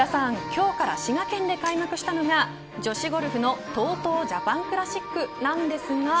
今日から滋賀県で開幕したのが女子ゴルフのＴＯＴＯジャパンクラシックなんですが。